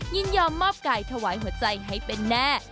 ยินยอมมอบไก่ถวายหัวใจให้เป็นแน่